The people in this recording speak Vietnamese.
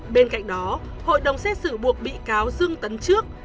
bên cạnh đó hội đồng xét xử buộc bị cáo dương tấn trước